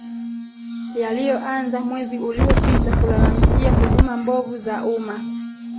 yaliyoanza mwezi uliopita kulalamikia huduma mbovu za umma